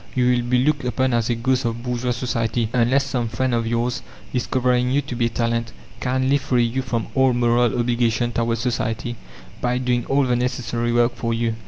You will be looked upon as a ghost of bourgeois society, unless some friends of yours, discovering you to be a talent, kindly free you from all moral obligation towards society by doing all the necessary work for you.